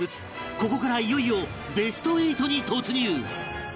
ここからいよいよベスト８に突入